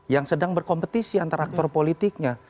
yang sedang berkompetisi antara aktor politiknya